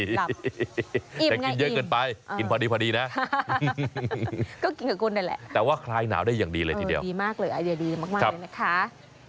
แต่กินเยอะเกินไปกินพอดีพอดีนะก็กินกับคุณนั่นแหละแต่ว่าคลายหนาวได้อย่างดีเลยทีเดียวดีมากเลยไอเดียดีมากเลยนะคะ